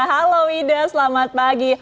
halo wida selamat pagi